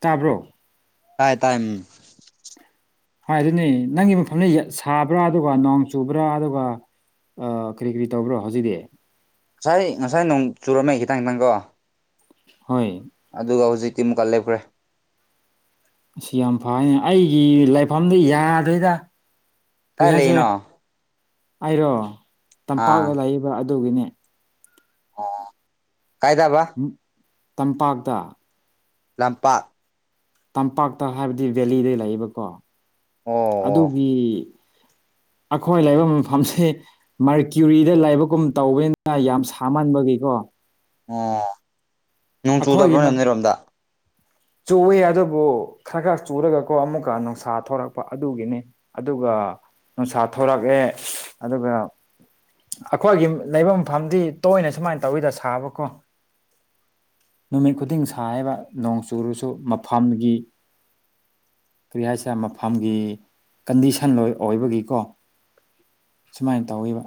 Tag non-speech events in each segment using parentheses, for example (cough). ꯇꯥꯕ꯭ꯔꯣ ꯇꯇ ꯍꯥꯏ ꯑꯗꯨꯅꯤ ꯅꯪꯒꯤ ꯃꯐꯝꯁ ꯁꯥꯕ꯭ꯔꯥ ꯑꯗꯨꯒ ꯅꯣꯡ ꯆꯨꯕ꯭ꯔꯥ ꯑꯗꯨꯒ ꯀꯔꯤ ꯀꯔꯤ ꯇꯧꯕ꯭ꯔꯣ ꯍꯧꯖꯤꯛꯗꯤ ꯉꯁꯥꯏ ꯉꯁꯥꯏ ꯅꯣꯡ ꯆꯨꯔꯝꯃꯦ ꯈꯤꯇꯪ ꯈꯤꯇꯪꯀꯣ ꯍꯣꯏ ꯑꯗꯨꯒ ꯍꯧꯖꯤꯛꯇꯤ ꯑꯃꯨꯛꯀ ꯂꯦꯞꯈ꯭ꯔꯦ ꯑꯁꯤ ꯌꯥꯝ ꯐꯅꯤ ꯑꯩꯒꯤ ꯂꯥꯏꯐꯝꯗ ꯌꯥꯗꯣꯏꯗ ꯀꯔꯤ ꯀꯥꯏ ꯍꯥꯏꯁꯔꯦ ꯂꯩꯔꯤꯅꯣ ꯑꯩꯔꯣ ꯑꯥ ꯇꯝꯄꯥꯛꯇ ꯂꯩꯕ ꯑꯗꯨꯒꯤꯅꯦ ꯑꯣ ꯀꯥꯏꯗꯕ ꯇꯝꯄꯥꯛꯇ ꯂꯝꯄꯥꯛ ꯇꯝꯄꯥꯛꯇ ꯍꯥꯏꯕꯗꯤ ꯕꯦꯂꯤꯗꯩ ꯂꯩꯌꯦꯕꯀꯣ ꯎ ꯑꯗꯨꯒꯤ ꯑꯩꯈꯣꯏ ꯂꯩꯕ ꯃꯐꯝꯁꯦ ꯃꯥꯔꯀ꯭ꯌꯨꯔꯤꯗ ꯂꯥꯏꯕꯛꯒꯨꯝ ꯇꯧꯕꯅꯤꯅ ꯌꯥꯝ ꯁꯥꯃꯟꯕꯒꯤꯀꯣ ꯑꯣ ꯅꯅꯨꯡ ꯆꯨꯗꯕ꯭ꯔꯣ ꯅ ꯅꯩꯔꯣꯝꯗ ꯆꯨꯏ ꯑꯗꯨꯕꯨ ꯈꯔ ꯈꯔ ꯆꯨꯔꯒꯀꯣ ꯑꯃꯨꯛꯀ ꯅꯨꯡꯁꯥ ꯊꯣꯔꯛꯄ ꯑꯗꯨꯒꯤꯅꯤ ꯑꯗꯨꯒ ꯅꯨꯡꯁꯥ ꯊꯣꯔꯛꯑꯦ ꯑꯗꯨꯒ ꯑꯩꯈꯣꯏꯒꯤ ꯂꯩꯐꯝ ꯃꯐꯝꯗꯤ ꯇꯣꯏꯅ ꯁꯨꯃꯥꯏꯅ ꯇꯧꯋꯤꯗ ꯁꯥꯕꯀꯣ ꯅꯨꯃꯤꯠ ꯈꯨꯗꯤꯡ ꯁꯥꯕ ꯅꯣꯡ ꯆꯨꯔꯁꯨ ꯃꯐꯝꯒꯤ ꯀꯔꯤ ꯍꯥꯏꯁꯦ ꯃꯐꯝꯒꯤ ꯀꯟꯗꯤꯁꯟ ꯂꯣꯏ ꯑꯣꯏꯕꯒꯤꯀꯣ ꯁꯨꯃꯥꯏꯅ ꯇꯧꯋꯕ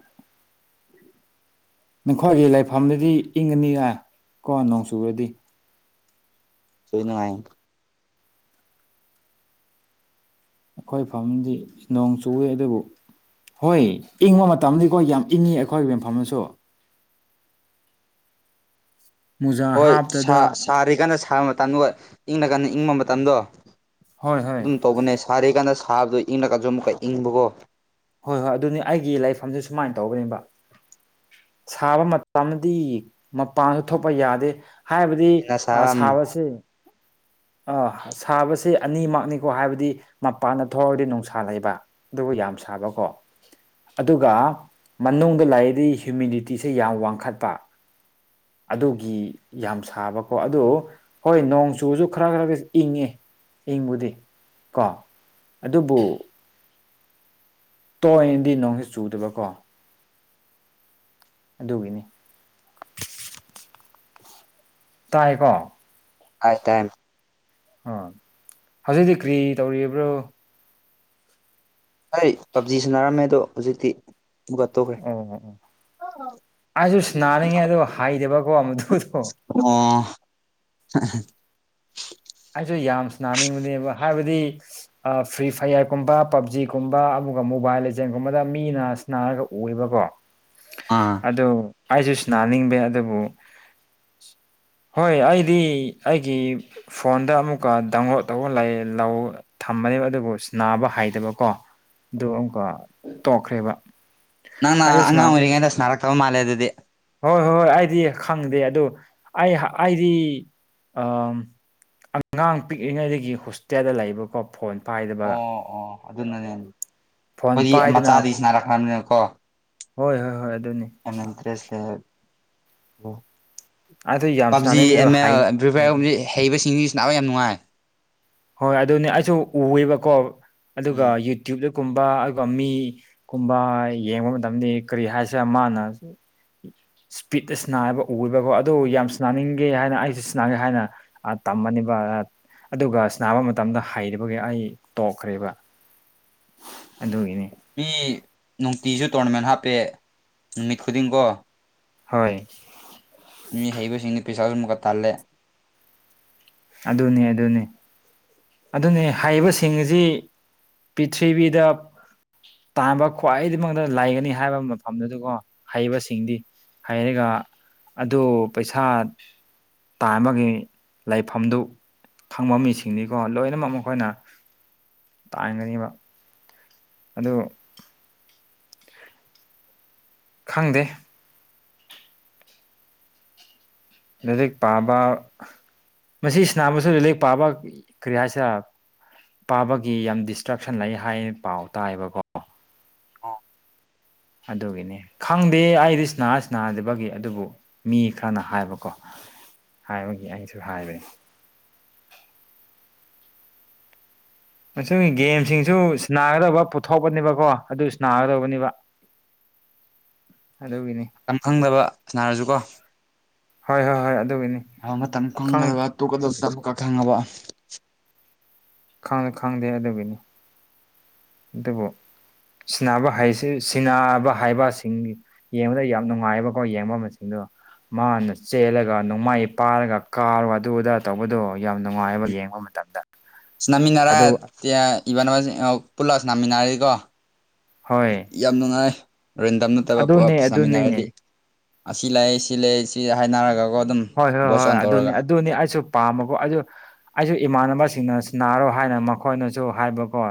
ꯅꯈꯣꯏꯒꯤ ꯂꯥꯏꯐꯝꯗꯗꯤ ꯏꯪꯉꯅꯤ ꯌꯥ ꯀꯣ ꯅꯣꯡ ꯆꯨꯔꯗꯤ ꯁꯣꯏꯅꯅꯨꯡꯉꯥꯏ ꯑꯩꯈꯣꯏ ꯐꯝꯗꯤ ꯅꯣꯡ ꯆꯨꯏ ꯑꯗꯨꯕꯨ ꯍꯣꯏ ꯏꯪꯕ ꯃꯇꯝꯗꯤꯀꯣ ꯌꯥꯝ ꯏꯪꯉꯤ ꯑꯩꯈꯣꯏꯒꯤ ꯌꯦꯟꯐꯝꯅꯁꯨ ꯃꯨꯖꯥ ꯍꯣꯏ ꯍꯥꯞꯇꯗ ꯁꯥꯔꯤ ꯀꯥꯟꯟꯅ ꯁꯥꯕ ꯃꯇꯝꯗꯣ ꯍ ꯏꯪꯅ ꯀꯟꯅ ꯏꯪꯕ ꯃꯇꯝꯗꯣ ꯍꯣꯏ ꯍꯣꯏ ꯑꯗꯨꯝ ꯇꯧꯕꯅꯦ ꯁꯥꯔꯤꯀꯥꯟꯗ ꯁꯥꯕꯗꯨꯣ ꯏꯪꯂꯒꯖꯝꯨꯛꯀ ꯏꯪꯕꯀꯣ ꯍꯣꯏ ꯍꯣꯏ ꯑꯗꯨꯅꯤ ꯑꯩꯒꯤ ꯂꯥꯏꯔꯤꯛꯐꯝꯁꯦ ꯁꯨꯃꯥꯏꯅ ꯇꯧꯒꯅꯦꯕ ꯁꯥꯕ ꯃꯇꯝꯗꯤ ꯃꯄꯥꯟꯁꯨ ꯊꯣꯛꯄ ꯌꯥꯗꯦ ꯍꯥꯏꯕꯗꯤ ꯍꯦꯟꯅ ꯁꯥꯕ ꯎꯝ ꯁꯥꯕꯁ ꯑ ꯁꯥꯕꯕꯁꯤ ꯑꯅꯤꯃꯛꯅꯤꯀꯣ ꯍꯥꯏꯕꯗꯤ ꯃꯄꯥꯟꯗ ꯊꯣꯛꯑꯒꯗꯤ ꯅꯨꯡꯁꯥ ꯂꯩꯕ ꯑꯗꯨꯕꯨ ꯌꯥꯝ ꯁꯥꯕꯀꯣ ꯑꯗꯨꯒ ꯃꯅꯨꯡꯗ ꯂꯥꯛꯏꯗꯤ ꯍ꯭ꯌꯨꯃꯤꯗꯤꯇꯤꯁꯦ ꯌꯥꯝ ꯋꯥꯡꯈꯠꯄ ꯑꯗꯨꯒꯤ ꯌꯥꯝ ꯁꯥꯕꯀꯣ ꯑꯗꯨ ꯍꯣꯏ ꯅꯣꯡ ꯆꯨꯁꯨ ꯈꯔ ꯈꯔꯒ ꯏꯪꯉꯦ ꯏꯪꯕꯨꯗꯤ ꯀꯣ ꯑꯗꯨꯕꯨ ꯇꯣꯛꯅꯗꯤ ꯅꯣꯡꯁꯤ ꯆꯨꯗꯕꯀꯣ ꯑꯗꯨꯒꯤꯅꯤ ꯇꯥꯏꯀꯣ ꯍꯥꯏꯥꯏ ꯇꯥꯏ ꯎ ꯍꯧꯖꯤꯛꯇꯤ ꯀꯔꯤ ꯇꯧꯔꯤꯕ꯭ꯔꯣ ꯍꯥꯏ ꯄꯞꯖꯤꯁꯨꯟꯅꯔꯝꯃꯦ ꯑꯗꯣ ꯍꯧꯖꯤꯛꯇꯤ ꯑꯃꯨꯛꯀ ꯇꯣꯛꯈ꯭ꯔꯦ ꯑꯣ ꯑꯣ ꯑꯩꯁꯨ ꯁꯥꯟꯅꯅꯤꯡꯉꯦ ꯑꯗꯣ ꯍꯥꯏꯗꯕꯀꯣ ꯃꯗꯨꯗꯣ ꯑꯣ ꯑꯩꯁꯨ ꯌꯥꯝ ꯁꯥꯟꯅꯤꯡꯕꯅꯦꯕ ꯍꯥꯏꯕꯗꯤ ꯐ꯭ꯔꯤ ꯐꯌꯥꯔꯒꯨꯝꯕ ꯄꯕꯖꯤꯒꯨꯝꯕ ꯑꯗꯨꯒ ꯃꯣꯕꯥꯏꯜ ꯂꯦꯖꯦꯟꯒꯨꯝꯕꯗ ꯃꯤꯅꯅꯥꯁ ꯅꯥꯔꯒ ꯎꯕꯀꯣ (inaudible) ꯑꯥ ꯑꯗꯨꯗ ꯑꯩꯁꯨ ꯁꯥꯟꯅꯤꯡꯕꯦ ꯑꯗꯨꯕꯨ ꯍꯣꯏ ꯑꯩꯗꯤ ꯑꯩꯒꯤ ꯐꯣꯟꯗ ꯑꯃꯨꯛꯀ ꯗꯥꯎꯟꯂꯣꯗ ꯇꯧꯕ ꯂꯩ ꯂꯧ ꯊꯝꯕꯅꯦꯕ ꯑꯗꯨꯕꯨ ꯅꯥꯕ ꯍꯩꯗꯕꯀꯣ ꯑꯗꯨꯣ ꯑꯃꯨꯛꯀ ꯇꯣꯛꯈ꯭ꯔꯦꯕ ꯅꯪꯅ ꯑꯩꯁꯨ ꯑꯉꯥꯡ ꯁꯅꯥꯅꯤꯡ ꯑꯣꯏꯔꯤꯉꯩꯗ ꯅꯥꯔꯛꯇꯕ ꯃꯥꯜꯂꯦ ꯑꯗꯨꯗꯤ ꯍꯣꯏ ꯍꯣꯏ ꯍꯣꯏ ꯑꯩꯗꯤ ꯈꯪꯗꯦ ꯑꯗ ꯑꯩ ꯑꯩꯗꯤ ꯑ ꯑꯉꯥꯡ ꯄꯤꯛꯂꯤꯉꯩꯗꯒꯤ ꯍꯣꯁꯇꯦꯜꯗ ꯂꯩꯕꯀꯣ ꯐꯣꯟ ꯄꯥꯏꯗꯕꯒ ꯑꯣ ꯑꯣ ꯑꯗꯨꯅꯅꯦ ꯐꯣꯟ ꯑꯩꯈꯣꯏꯒꯤ ꯄꯥꯏꯗꯅ ꯃꯆꯥꯗꯤ ꯁꯅꯥꯔꯛꯈ꯭ꯔ꯭ꯕꯅꯤꯅꯀꯣ ꯍꯣꯏ ꯍꯣꯏ ꯍꯣꯏ ꯑꯗꯨꯅꯤ ꯑ ꯅꯇ꯭ꯔꯦꯁꯦ ꯑꯗꯨ ꯌꯥꯝ ꯄꯞꯖꯤ ꯁꯅꯥꯅꯤꯡꯕꯗꯣ ꯑꯦꯝ ꯍꯥꯏ ꯑꯦꯜ ꯐ꯭ꯔꯤꯐꯥꯏꯌꯔ ꯍꯩꯕꯁꯤꯡꯁꯤ ꯁꯥꯟꯅꯕ ꯌꯥꯝ ꯅꯨꯡꯉꯥꯏ ꯍꯣꯏ ꯑꯗꯨꯅꯦ ꯑꯩꯁꯨ ꯎꯑꯦꯕꯀꯣ ꯑꯗꯨꯒ ꯎꯝ ꯌꯨꯇ꯭ꯌꯨꯕꯇꯒꯨꯝꯕ ꯑꯗꯨꯒ ꯃꯤ ꯨꯀꯨꯕ ꯌꯦꯡꯕ ꯃꯇꯝꯗꯤ ꯀꯔꯤ ꯍꯥꯏꯁꯦꯔꯥ ꯃꯥꯅ ꯏꯁꯄꯤꯗ ꯁꯥꯟꯅꯥꯕ ꯎꯕꯀꯣ ꯑꯗꯨ ꯌꯥꯝꯁꯥꯟꯅꯅꯤꯡꯒꯦ ꯍꯥꯏꯅ ꯑꯩꯁꯤ ꯁꯅꯥꯒꯦ ꯍꯥꯏꯅ ꯇꯝꯃꯕꯅꯦꯕ ꯑꯗꯨꯒ ꯅꯥꯕ ꯃꯇꯝꯗ ꯍꯩꯔꯤꯕꯒꯤ ꯑꯩ ꯇꯣꯛꯈ꯭ꯔꯦꯕ ꯑꯗꯨꯒꯤꯅꯤ ꯃꯤ ꯅꯨꯡꯇꯤꯖꯨ ꯇꯣꯔꯅꯥꯃꯦꯟ ꯍꯥꯞꯄꯦ ꯅꯨꯃꯤꯠ ꯈꯨꯗꯤꯡꯀꯣ ꯍꯣꯏ ꯃꯤ ꯍꯩꯕ ꯁꯤꯡꯗꯤ ꯄꯩꯁꯥꯁꯨ ꯑꯃꯨꯛꯀ ꯇꯥꯟꯔꯦ ꯑꯗꯨꯅꯦ ꯑꯗꯨꯅꯦ ꯑꯗꯨꯅꯦ ꯍꯥꯏꯔꯤꯕꯁꯤꯡ ꯑꯁꯤ ꯄꯤꯔꯤꯊꯤꯕꯤꯗ ꯇꯥꯟꯕ ꯈ꯭ꯋꯥꯏꯗꯤꯃꯛꯇ ꯂꯩꯒꯅꯤ ꯍꯥꯏꯕ ꯃꯐꯝꯗꯨꯗꯀꯣ ꯍꯩꯕꯁꯤꯡꯗꯤ ꯍꯥꯏꯔꯒ ꯑꯗꯨ ꯄꯩꯁꯥ ꯇꯥꯟꯕꯒꯤ ꯂꯩꯐꯝꯗꯨ ꯈꯪꯕ ꯃꯤꯁꯤꯡꯅꯤ ꯑꯣ ꯂꯣꯏꯅꯃꯛ ꯃꯈꯣꯏꯅ ꯇꯥꯡꯒꯅꯦꯕ ꯑꯗꯨ ꯈꯪꯗꯦ ꯂꯩꯔꯤꯛ ꯄꯥꯕ ꯃꯁꯤ ꯁꯥꯟꯅꯕꯁꯨ ꯂꯩꯂꯤꯛ ꯄꯥꯕ ꯀꯔꯤ ꯍꯥꯏꯁꯤꯔꯥ ꯄꯥꯕꯒꯤ ꯌꯥꯝ ꯗꯤꯁꯇ꯭ꯔꯛꯁꯟ ꯂꯩ ꯍꯥꯏ ꯄꯥꯎ ꯇꯥꯏꯌ ꯦꯕꯀꯣ ꯑꯥ ꯑꯗꯨꯒꯤꯅꯤ ꯈꯪꯗꯦ ꯑꯩꯗꯤ ꯁꯅꯥ ꯁꯥꯟꯅꯥꯗꯕꯒꯤ ꯑꯗꯨꯕꯨ ꯃꯤ ꯈꯔꯅ ꯍꯥꯏꯕꯀꯣ ꯍꯥꯏꯕꯒꯤ ꯑꯩꯅꯁꯨ ꯍꯥꯏꯕꯅꯤ ꯃꯁꯤ ꯒꯦꯝꯁꯤꯡꯁꯨ ꯁꯤ ꯅꯥꯒꯗꯧꯕ ꯄꯨꯊꯣꯛꯄꯅꯦꯕꯀꯣ ꯑꯗꯨ ꯅꯥꯒꯗꯧꯕꯅꯦꯕ ꯑꯗꯨꯒꯤꯅꯦ ꯌꯥꯝ ꯈꯪꯗꯕ ꯁꯥꯟꯅꯔꯁꯨ ꯀꯣ ꯍꯣꯏ ꯍꯣꯏ ꯍꯣꯏ ꯑꯗꯨꯒꯤꯅꯤ ꯃꯇꯝ ꯈꯪ ꯈꯪꯒꯗꯕ ꯇꯣꯛꯀꯗꯕꯀ ꯈꯪꯉꯕ ꯈꯪꯗꯦ ꯈꯪꯗꯦ ꯑꯗꯨꯒꯤꯅꯤ ꯑꯗꯨꯕꯨ ꯁꯥꯟꯅꯕ ꯍꯥꯏꯁꯤ ꯁꯥꯟꯅꯕ ꯍꯥꯏꯕꯁꯤꯡꯒꯤ ꯌꯦꯡꯕꯗ ꯌꯥꯝ ꯅꯨꯡꯉꯥꯏꯑꯕꯀꯣ ꯌꯦꯡꯕ ꯃꯁꯤꯡꯗꯣ ꯃꯥꯅ ꯆꯦꯜꯂꯒ ꯅꯣꯡꯃꯥꯏ ꯄꯥꯔꯒ ꯀꯥꯔꯣ ꯑꯗꯨ ꯑꯗꯥ ꯇꯧꯕꯗꯣ ꯌꯥꯝ ꯅꯨꯡꯉꯥꯏꯕ ꯌꯦꯡꯕ ꯃꯇꯝꯗ ꯁꯅꯥꯃꯤꯟꯅꯔ ꯑꯗꯨ ꯇꯌꯥ ꯏꯕꯥꯟꯅꯕꯁꯤꯡ ꯑꯧ ꯄꯨꯜꯂ ꯁꯅꯥꯃꯤꯟꯅꯔꯤꯀꯣ ꯍꯣꯏ ꯌꯥꯝ ꯅꯨꯡꯉꯥꯏ ꯔꯦꯟꯗꯝ ꯅꯠꯇꯕ ꯄꯞ ꯑꯗꯨꯅꯦ ꯑꯗꯨꯅꯦ ꯁꯥꯥꯃꯤꯟꯅꯔꯗꯤ ꯑꯁꯤ ꯂꯥꯛꯑꯦ ꯁꯤ ꯂꯩ ꯁꯤ ꯍꯥꯏꯅꯔꯒ ꯀꯣ ꯑꯗꯨꯝ ꯍꯣꯏ ꯍꯣꯏ ꯚꯣꯏꯁ ꯍꯣꯏ ꯑꯣꯟ ꯑꯗꯨꯅꯤ ꯇꯧꯔꯒ ꯑꯗꯨꯅꯤ ꯑꯩꯁꯨ ꯄꯥꯝꯕꯀꯣ ꯑꯗꯨ ꯑꯩꯁꯨ ꯏꯃꯥꯟꯅꯕꯁꯤꯡꯅ ꯁꯅꯥꯔꯣ ꯍꯥꯏꯅ ꯃꯈꯣꯏꯅꯁꯨ ꯍꯥꯏꯕꯀꯣ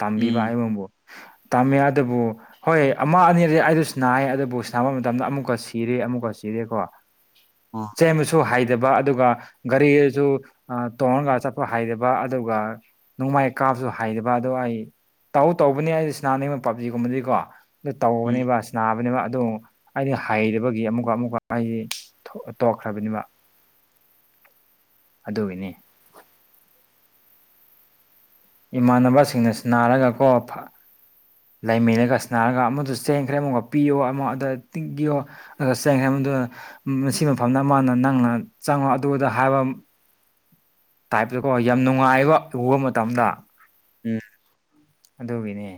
ꯇꯝꯕꯤꯕ ꯎꯝ ꯑꯩꯉꯣꯟꯕꯨ ꯇꯝꯃꯦ ꯑꯗꯨꯕꯨ ꯍꯣꯏ ꯑꯃ ꯑꯅꯤꯔꯗꯤ ꯑꯩꯗꯨ ꯁꯨꯅꯥꯏ ꯑꯗꯨꯕꯨ ꯁꯅꯥꯕ ꯃꯇꯝꯗ ꯑꯃꯨꯛꯀ ꯁꯤꯔꯦ ꯑꯃꯨꯛꯀ ꯁꯤꯔꯦꯀꯣ ꯑꯣ ꯁꯦꯝꯕꯁꯨ ꯍꯩꯗꯕ ꯑꯗꯨꯒ ꯒꯥꯔ꯭ꯤꯌꯖꯨ ꯑ ꯇꯣꯡꯉꯒ ꯆꯠꯄ ꯍꯩꯗꯕ ꯑꯗꯨꯒ ꯅꯣꯡꯃꯥꯏ ꯀꯥꯞꯖꯨ ꯍꯩꯗꯕ ꯑꯗꯣ ꯑꯩ ꯇꯧ ꯇꯧꯕꯅꯤ ꯑꯩꯩ ꯏꯁꯅꯥꯅꯤꯡꯕ ꯄꯥꯞꯖꯤꯒꯨꯝꯕꯗꯤꯀꯣ ꯑꯗꯨ ꯎꯝ ꯇꯧꯕꯅꯦꯕ ꯁꯅꯥꯕꯅꯦꯕ ꯑꯗꯨ ꯑꯩꯗꯤ ꯍꯩꯔꯕꯒꯤ ꯑꯃꯨꯛꯀ ꯑꯃꯨꯛꯀ ꯑꯩꯖꯤ ꯊꯣ ꯇꯣꯛꯈ꯭ꯔꯕꯅꯤꯕ ꯑꯗꯨꯒꯤꯅꯤ ꯏꯃꯥꯟꯅꯕꯁꯤꯡꯅ ꯁꯅꯥꯔꯒꯀꯣ ꯂꯩꯃꯤꯅꯒ ꯑ꯭ꯁꯅꯥꯔꯒ ꯑꯃꯗꯨ ꯆꯦꯡꯈ꯭ꯔꯦ ꯑꯃꯨꯛꯒ ꯄꯤꯌꯣ ꯑꯃꯣ ꯑꯗꯥ ꯇꯤꯡꯒꯤꯌꯣ ꯑꯗꯨꯒ ꯆꯦꯡꯈꯦ ꯃꯗꯨ ꯃꯁꯤ ꯃꯐꯝꯗ ꯃꯅ ꯅꯪꯅ ꯆꯪꯉꯣ ꯑꯗꯨ ꯑꯗ ꯍꯥꯏꯕ ꯇ꯭ꯥꯏ꯭ꯞꯇꯨꯗꯀꯣ ꯌꯥꯝ ꯅꯨꯡꯉꯥꯏꯕ ꯋꯣꯝ ꯃꯇꯝꯗ ꯎꯝ ꯑꯗꯨꯒꯤꯅꯦ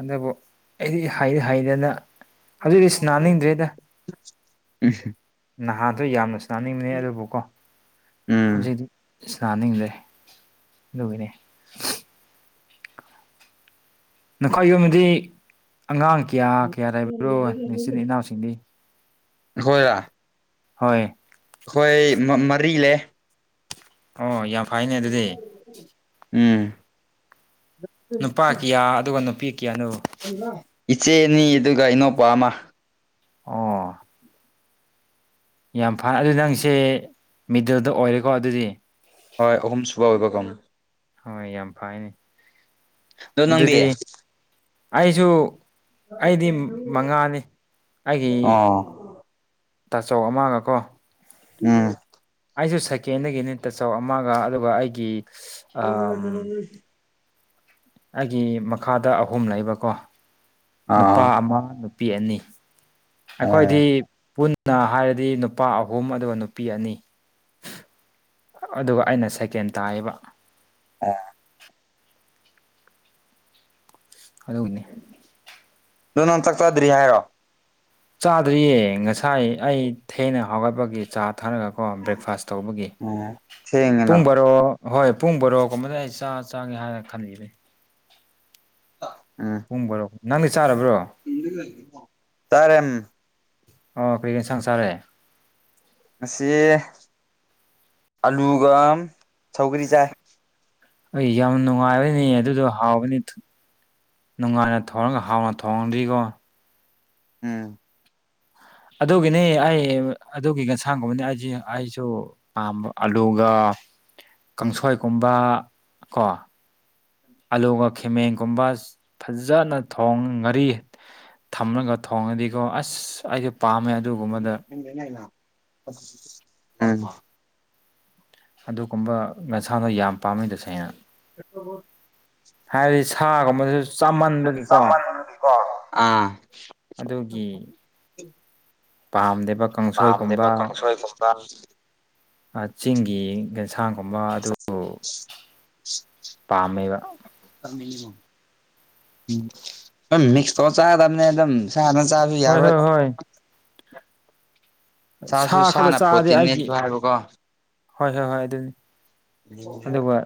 ꯑꯗꯨꯕꯨ ꯑꯩꯗꯤ ꯍꯥꯏꯗꯤ ꯍꯥꯏꯗꯅ (unintelligible) ꯎꯝꯍꯝ ꯅꯍꯥꯗꯣ ꯌꯥꯝꯅ ꯁꯅꯅꯤꯡꯕꯅꯦ ꯑꯗꯨꯕꯨꯀꯣ ꯎꯝ ꯍꯧꯖꯤꯛꯇꯤ ꯏꯁꯥꯅꯤꯡꯗꯔꯦ ꯑꯗꯨꯒꯤꯅꯦ ꯅꯈꯣꯏ ꯌꯨꯝꯕꯗꯤ ꯑꯉꯥꯡ ꯀꯌꯥ ꯀꯌꯥ ꯂꯩꯥꯏꯕꯤꯔꯣ ꯅꯤꯆꯤꯟ ꯏꯅꯥꯎꯁꯤꯡꯗꯤ ꯍꯣꯏ ꯑꯈꯣꯏ ꯃ ꯃꯔꯤ ꯂꯦ ꯑꯣ ꯌꯥꯝ ꯐꯥꯏꯅꯦ ꯑꯗꯨꯗꯤ ꯎꯝ ꯅꯨꯄꯥ ꯀꯤꯌꯥ ꯑꯗꯨꯒ ꯅꯨꯄꯤ ꯀꯤꯌꯥꯅꯣ ꯏꯆꯦ ꯑꯅꯤ ꯑꯗꯨꯒ ꯏꯅꯧꯄꯥ ꯑꯃ ꯑꯣ ꯌꯥꯝ ꯐꯔ ꯑꯗꯨ ꯅꯪꯁꯦ ꯃꯤꯗꯜꯗ ꯑꯣꯏꯔꯦꯀꯣ ꯑꯗꯨꯗꯤ ꯍꯣꯏ ꯑꯍꯨꯝ ꯁꯨꯕ ꯑꯣꯏꯕ ꯀꯝ ꯍꯣꯏ ꯌꯥꯝ ꯐꯌꯦꯅꯦ ꯑꯗꯣ ꯅꯪꯗꯤ ꯑꯗꯨꯗꯤ ꯑꯩꯖꯨ ꯑꯩꯗꯤ ꯃ ꯃꯉꯥꯅꯤ ꯑꯩꯒꯤ ꯑꯣ ꯇꯥꯆꯧ ꯑꯃꯒꯀꯣ ꯎꯝ ꯑꯩꯁꯨ ꯁꯦꯀꯦꯟꯗꯒꯤꯅꯤ ꯇꯆꯧ ꯑꯃꯒ ꯑꯗꯨꯒ ꯑꯩꯒꯤ ꯑꯝ (unintelligible) ꯑꯩꯒꯤ ꯃꯈꯥꯗ ꯑꯍꯨꯝ ꯂꯩꯕꯀꯣ ꯅꯨꯄꯥ ꯑꯥ ꯑꯃ ꯅꯨꯞ__ ꯄꯤ ꯑꯅꯤ ꯎꯝ ꯑꯩꯈꯣꯏꯗꯤ ꯄꯨꯟ ꯅ ꯍꯥꯏꯔꯗꯤ ꯅꯨꯄꯥ ꯑꯍꯨꯝ ꯑꯗꯨꯒ ꯅꯨꯄꯤ ꯑꯅꯤ ꯑꯗꯨꯒ ꯑꯩꯅ ꯁꯦꯀꯦꯟ ꯇꯥꯏꯌꯦꯕ ꯑꯥ ꯑꯗꯨꯎꯅꯦ ꯗꯨ ꯅꯪ ꯆꯥꯛꯆꯗ꯭ꯔꯤ ꯍꯥꯏꯔꯣ ꯆꯥꯗ꯭ꯔꯤꯌꯦ ꯉꯁꯥꯏ ꯑꯩ ꯊꯦꯡꯅ ꯍꯧꯒꯠꯄꯒꯤ ꯆꯥ ꯊꯥꯔꯒꯀꯣ ꯕ꯭ꯔꯦꯛꯐꯥꯁ ꯇꯧꯕꯒꯤ ꯎꯝ ꯊꯦꯡꯉꯦꯅ ꯄꯨꯡ ꯕꯥꯔꯣ ꯑꯍꯣꯏ ꯄꯨꯡ ꯕꯣꯔꯣꯒꯨꯝꯕꯗ ꯑꯩ ꯆꯥ ꯆꯪꯒꯦ ꯍꯥꯏꯅ ꯈꯟꯂꯤꯕꯩ ꯎꯝ ꯄꯨꯝꯕꯔꯣ ꯅꯪꯗꯤ ꯆꯥꯔꯕ꯭ꯔꯣ ꯆꯥꯔꯦ ꯑꯣ ꯀꯩ ꯌꯦꯟꯁꯥꯡ ꯆꯔꯦ ꯉꯁꯤ ꯑꯂꯨꯒ ꯁꯧꯒ꯭ꯔꯤ ꯆꯥꯏ ꯑꯩ ꯌꯥꯝ ꯅꯨꯡꯉꯥꯏꯕꯅꯦ ꯑꯗꯨꯗꯣ ꯍꯥꯎꯕꯅꯤ ꯅꯨꯡꯉꯥꯏꯅ ꯊꯣꯡꯔꯒ ꯍꯥꯎꯅ ꯊꯣꯡꯉꯗꯤꯒꯣ ꯎꯝ ꯑꯗꯨꯒꯤꯅꯦ ꯑꯩ ꯑꯗꯨꯒꯤ ꯉꯁꯥꯡꯒꯨꯝꯕꯅꯦ ꯑꯖꯤ ꯑꯩꯁꯨ ꯑꯥ ꯑꯂꯨꯒ ꯀꯥꯡꯁꯣꯏꯒꯨꯝꯕ ꯀꯣ ꯑꯂꯨꯒ ꯈꯃꯦꯟꯒꯨꯝꯕ ꯐꯖꯅ ꯊꯣꯡꯉꯒ ꯉꯥꯔꯤ ꯊꯥꯛꯑꯒ ꯊꯣꯡꯉꯗꯤꯀꯣ ꯑꯁ ꯑꯩꯗꯣ ꯄꯥꯝꯃꯦ ꯍꯧꯖꯤꯛ ꯑꯗꯨꯒꯨꯝꯕꯗ ꯅꯪ (unintelligible) (unintelligible) ꯑꯪ ꯑꯗꯨꯒꯨꯝꯕ ꯅꯁꯥꯗꯣ ꯌꯥꯝ ꯄꯥꯝꯃꯤ ꯇꯁꯦꯡꯅ (unintelligible) ꯍꯥꯏꯕꯗꯤ ꯁꯥꯒꯨꯝꯕꯗꯁꯨ ꯇꯤ ꯆꯥꯃꯟꯕꯒꯤꯀꯣ ꯆꯥꯝꯃꯛ ꯈꯤꯀꯣ ꯑ ꯑꯗꯨꯒꯤ ꯄꯥꯝꯗꯦꯕ ꯄꯝꯗꯦꯕ ꯀꯥꯡꯁꯣꯏꯒꯨꯝꯕ ꯀꯪꯁꯨ ꯍꯣꯏ ꯀꯨꯝ ꯆꯤꯡꯒꯤ ꯌꯦꯟꯁꯥꯡꯒꯨꯝꯕ ꯑꯗꯨ ꯄꯥꯝꯃꯦꯕ ꯃꯤꯛꯁ ꯇꯧꯔ ꯆꯥꯒꯗꯕꯅꯦ ꯑꯗꯨꯝ ꯏꯁꯥꯅ ꯆꯥꯁꯨ ꯍꯣꯏ ꯌꯥꯔꯣꯏ ꯍꯣꯏ ꯍꯣꯏ ꯁꯥꯁꯨ ꯁꯥ ꯈꯔ ꯁꯥꯅ ꯆꯥꯔꯗꯤ ꯐꯣꯠꯇꯤ ꯑꯩꯒꯤ ꯅꯦꯖꯨ ꯍꯥꯏꯌꯦꯕꯀꯣ ꯍꯣꯏ ꯍꯣꯏ ꯍꯣꯏ ꯑꯗꯨꯅꯤ ꯑꯗꯨꯒ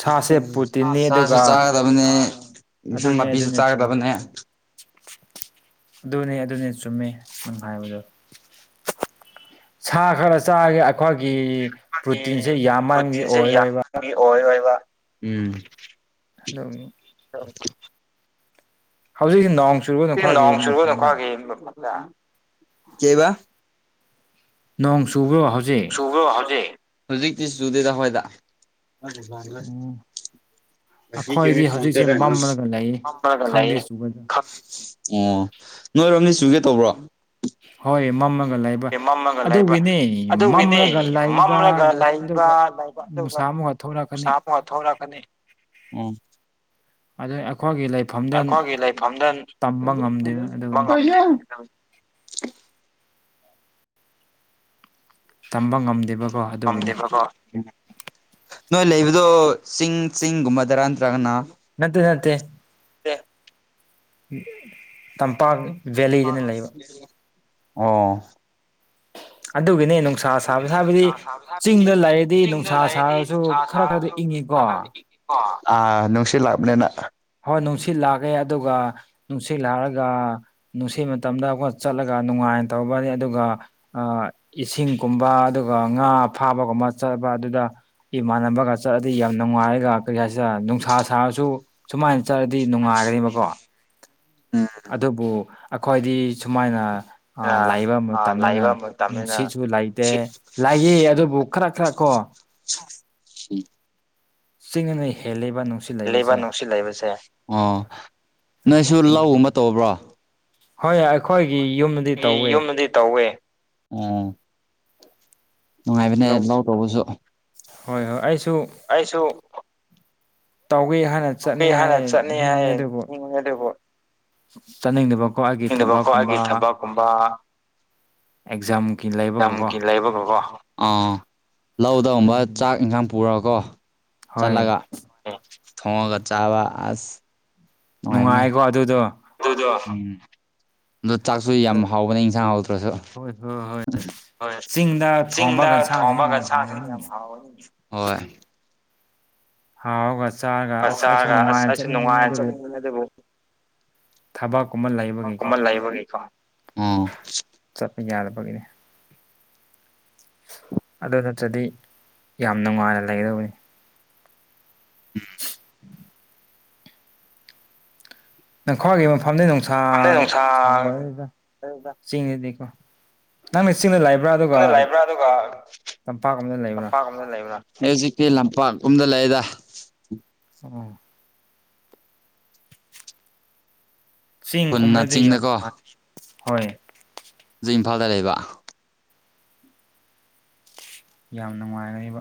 ꯁꯥꯁꯦ ꯄ꯭ꯔꯣꯇꯤꯟꯅꯤ ꯑꯗꯨꯒ ꯑꯗꯨꯅꯦ ꯏꯟꯁꯥꯡ ꯑꯗꯨꯅꯦ ꯅꯥꯄꯤꯁꯨ ꯑꯗꯨꯅꯦ ꯆꯨꯝꯃꯦ ꯆꯥꯒꯗꯕꯅꯦ ꯑꯗꯨꯅꯦ ꯑꯗꯨꯅꯦ ꯆꯨꯝꯃꯦ ꯅꯪꯍꯥꯏꯕꯗꯣ ꯁꯥ ꯈꯔ ꯆꯥꯒꯦ ꯑꯩꯈꯣꯏꯒꯤ ꯄ꯭ꯔꯣꯇꯤꯟꯁꯦ ꯌꯥꯝꯃꯟꯕꯒꯤ ꯑꯣꯏꯔꯣꯏꯕ ꯅꯪꯒꯤ ꯑꯣꯏꯔꯣꯏꯕ ꯎꯝ ꯑꯗꯨꯒꯤ ꯍ (inaudible) ꯍꯧꯖꯤꯛꯁꯨ ꯅꯣꯡ ꯆꯨꯕ ꯅꯣꯡ ꯅꯈꯣꯏꯒꯤ ꯆꯨꯕꯒꯤ ꯃꯐꯝꯗ ꯑꯩꯈꯣꯏꯒꯤ ꯀꯩꯕ ꯅꯣꯡ ꯆꯨꯕ꯭ꯔꯣ ꯍꯧꯖꯤꯛ ꯆꯨꯕ꯭ꯔꯣ ꯍꯧꯖꯤꯛ ꯍꯧꯖꯤꯛꯇꯤ ꯆꯨꯗꯦꯗ ꯍꯣꯏꯗ ꯎꯝ ꯉꯁꯤ ꯑꯩꯈꯣꯏꯗꯤ ꯐꯣꯟ ꯍꯧꯖꯤꯛꯁꯦ ꯇꯦꯔꯦꯉꯪ ꯃꯝꯂꯒ ꯂꯩ ꯑꯝꯄꯒ ꯈꯪꯗꯦ ꯂꯩꯌꯦ ꯆꯨꯒꯗ꯭ꯔꯥ ꯈꯛ (inaudible) ꯑꯣ ꯅꯣꯏꯔꯣꯝꯗꯤ ꯆꯨꯒꯦ ꯇꯧꯕ꯭ꯔꯣ ꯍꯣꯏ ꯃꯝꯃꯦ__ ꯑꯣꯗꯨꯒꯤꯅꯦ ꯃꯝꯂꯒ ꯂꯩꯕ ꯑꯗꯨꯒꯤꯅꯦ ꯃꯝꯂꯒ ꯂꯩꯕ ꯃꯝꯂꯒ ꯂꯩꯕ ꯑꯗꯨꯒ ꯂꯩꯕ ꯑꯗꯨꯒ ꯅꯨꯡꯁꯥ ꯑꯃꯨꯛꯀ ꯅꯨꯡꯁꯥ ꯊꯣꯛꯂꯛꯀꯅꯤ ꯑꯃꯨꯛꯒ ꯊꯣꯔꯛꯀꯅꯤ ꯎꯝ ꯑꯗꯨ ꯑꯩꯈꯣꯏꯒꯤ ꯂꯩꯐꯝꯗ ꯇꯝꯕ ꯉꯝꯗꯦꯅ ꯑꯗꯨꯅꯤ ꯍ ꯇꯝꯕ ꯉꯝꯗꯦꯕ ꯉꯝꯗꯦꯕꯀꯣ ꯅꯣꯏ ꯂꯩꯕꯗꯣ ꯆꯤꯡ ꯆꯤꯡꯒꯨꯝꯕꯗꯔ ꯅꯠꯇ꯭ꯔꯒꯅ ꯅꯠꯇꯦ ꯅꯠꯇꯦ ꯇꯝꯄꯥꯛ ꯚꯦꯂꯤꯗꯅ ꯂꯩꯕ (unintelligible) ꯑꯣ ꯑꯗꯨꯒꯤꯅꯤ ꯅꯨꯡꯁꯥ ꯁꯥꯕ ꯍꯥꯏꯕꯗꯤ ꯆꯤꯡꯗ ꯂꯩꯔꯗꯤ ꯆꯤꯡꯗ ꯅꯨꯡꯁꯥ ꯂꯩꯔꯗꯤ ꯁꯥꯔꯁꯨ ꯈꯔ ꯈꯔꯗꯤ ꯏꯪꯉꯤꯀꯣ ꯑꯣ ꯑ ꯅꯨꯡꯁꯤꯠ ꯂ꯭ꯥꯛꯕꯅꯦꯅ ꯍꯣ ꯅꯨꯡꯁꯤꯠ ꯂꯥꯛꯔꯦ ꯑꯗꯨꯒ ꯅꯨꯡꯁꯤꯠ ꯂꯥꯔꯒ ꯅꯨꯡꯁꯤꯠ ꯃꯇꯝꯗ ꯑꯩꯈꯣꯏ ꯆꯠꯂꯒ ꯅꯨꯡꯉꯥꯏꯅ ꯇꯧꯕꯅꯤ ꯑꯗꯨꯒ ꯏꯁꯤꯡꯒꯨꯝꯕ ꯑꯗꯨꯒ ꯉꯥ ꯐꯥꯕꯒꯨꯝꯕ ꯆꯠꯄ ꯑꯗꯨꯗ ꯏꯃꯥꯟꯅꯕꯒ ꯆꯠꯔꯗꯤ ꯌꯥꯝ ꯅꯨꯡꯉꯥꯏꯔꯒ ꯀꯔꯤ ꯍꯥꯏꯁꯤꯔ ꯅꯨꯡꯁꯥ ꯁꯥꯔꯁꯨ ꯁꯨꯃꯥꯏꯟ ꯆꯠꯔꯗꯤ ꯅꯨꯡꯉꯥꯏꯒꯅꯦꯕꯀꯣ ꯎꯝ ꯑꯗꯨꯕꯨ ꯑꯩꯈꯣꯏꯗꯤ ꯁꯨꯃꯥꯏꯅ ꯑ ꯂꯥꯏꯕ ꯑꯥ ꯃꯇꯝꯅꯤꯅ ꯂꯩꯕ ꯃꯇꯝꯅꯤꯅ ꯅꯨꯡꯁꯤꯠꯁꯨ ꯂꯩꯇꯦ ꯅꯨꯡꯁꯤꯠ ꯂꯥꯏꯌꯦ ꯑꯗꯨꯕꯨ ꯈꯔ ꯈꯔ ꯀꯣ ꯎ ꯆꯤꯡꯅ ꯍꯦꯜꯂꯤꯕ ꯅꯨꯡꯁꯤꯠ ꯂꯩꯕ ꯂꯩꯕꯁꯦ ꯅꯨꯡꯁꯤꯠ ꯂꯩꯕꯁꯦ ꯑꯣ ꯅꯣꯏꯁꯨ ꯑꯗꯨ ꯂꯧꯒꯨꯝ ꯑꯃ ꯇꯧꯕ꯭ꯔꯣ ꯍꯣꯏ ꯑꯩꯈꯣꯏꯒꯤ ꯌꯨꯝ ꯑꯩꯒꯤ ꯌꯨꯝꯗꯤ ꯇꯧꯋꯦ ꯎ ꯅꯨꯡꯉꯥꯏꯕꯅꯦ ꯂꯧ ꯇꯧꯕꯁꯨ ꯍꯣꯏ ꯍꯣꯏ ꯑꯩꯁꯨ ꯑꯩꯥꯏꯁꯨ ꯇꯧꯒꯦ ꯍꯥꯟꯅ ꯍꯧꯒꯦ ꯆꯠꯅꯤ ꯍꯥꯟꯅ ꯍꯥꯏ ꯆꯠꯅꯤ ꯅꯤꯡꯅꯤ ꯍꯥꯏ ꯑꯗꯨꯕꯨ ꯑꯗꯨꯕꯨ ꯆꯠꯅꯤꯡꯕꯀꯣꯠ ꯑꯩꯒꯤ ꯅꯤꯡꯗꯕꯀꯣ ꯊꯕꯛꯀꯨꯝꯕ ꯑꯩꯒꯤ ꯊꯕꯛꯀꯨꯝꯕ ꯑꯦꯛꯖꯥꯝ ꯀ ꯂꯥꯏ ꯌꯥꯝꯃꯨꯀꯤ ꯂꯩꯕꯒꯀꯣ ꯑꯥ ꯂꯧꯗꯒꯨꯝꯕ ꯑꯗꯨꯒꯤꯅꯤ ꯆꯥꯛ ꯏꯟꯈꯥꯡ ꯄꯨꯔꯒꯀꯣ ꯍꯣꯏ ꯆꯠꯂꯒ ꯊꯣꯡꯉꯒ ꯆꯥꯕ ꯑꯁ ꯅꯨꯡꯉꯥꯏꯀꯣ ꯑꯗꯨꯗꯣ ꯗꯝ (inaudible) ꯑꯗꯣ ꯆꯥꯛꯁꯨ ꯌꯥꯝ ꯍꯥꯎꯕꯅꯦ ꯏꯟꯁꯥꯡ ꯍꯥꯎꯗ꯭ꯔꯁꯨ ꯍꯣꯏ ꯍꯣꯏ ꯍꯣꯏ ꯍꯣꯏ ꯆꯤꯡꯗ ꯊꯣꯡꯕ ꯆꯤꯡꯗ ꯒꯟꯁꯥꯡꯁꯤꯡ ꯊꯣꯝꯃꯒ ꯌꯥꯝ ꯊ ꯌꯥꯝ ꯍꯥꯎꯒꯅꯤ ꯍꯥꯎ ꯍꯣꯏ ꯍ ꯍꯒꯁ ꯍ ꯆꯥꯔꯒ ꯑꯁ ꯑꯁꯨ ꯅꯨꯡꯉꯥꯏꯔ ꯆꯠꯅꯤꯡꯕꯅꯤ ꯑꯗꯨꯕꯨ ꯊꯕꯛꯀꯨꯝ ꯂꯩꯕ ꯀꯃꯟ ꯂꯩꯕꯒꯤꯀꯣ ꯆꯠꯄ ꯌꯥꯗꯕꯒꯤꯅꯤ ꯑꯗꯨ ꯅꯠꯇ꯭ꯔꯗꯤ ꯌꯥꯝ ꯅꯨꯡꯉꯥꯏꯅ ꯂꯩꯒꯗꯕꯅꯤ ꯎꯝ ꯅꯪꯈ꯭ꯋꯥꯒꯤ ꯃꯐꯝꯗꯤ ꯅꯨꯡꯁꯥ ꯈꯪꯗꯦ ꯅꯨꯡꯁꯥ ꯁꯥꯥꯡꯈꯣꯏꯗ ꯆꯤꯡꯗꯗꯤꯀꯣ ꯅꯪꯅ ꯆꯤꯡꯅ ꯂꯩꯕ꯭ꯔꯥ ꯑꯗꯨꯒ ꯆꯤꯡꯗ ꯂꯩꯕ꯭ꯔꯥ ꯇꯝꯄꯥꯛ ꯑꯃꯅ ꯂꯩꯕ꯭ꯔꯥ ꯂꯩꯕ꯭ꯔ ꯑꯩ ꯍꯧꯖꯤꯛꯇꯤ ꯂꯝꯄꯥꯛ ꯀꯨꯝꯗ ꯂꯩꯑꯦꯗ ꯎꯝ ꯈꯨꯟꯅ ꯆꯦꯡꯒꯨꯝꯕꯗꯤ ꯌꯥꯝ ꯆꯤꯡꯗꯀꯣ ꯋꯥ ꯍꯣꯏ ꯍꯧꯖꯤꯛ ꯏꯝꯐꯥꯜꯗ ꯂꯩꯕ ꯌꯥꯝ ꯅꯨꯡꯉꯥꯏꯔꯔꯤꯕ